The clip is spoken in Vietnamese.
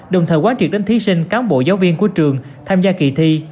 đồng thời quá truyệt đến thí sinh cám bộ giáo viên của trường tham gia kỳ thi